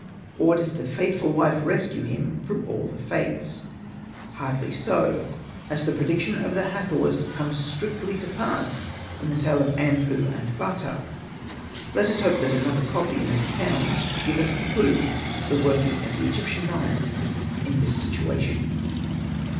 Or does the faithful wife rescue him from all the fates .^ Hardly so, as the prediction of the Hathors comes strictly to pass in the tale of Anpu and Bata. Let us hope that another copy may be found to give us the clue to the working of the Egyptian mind in this situation.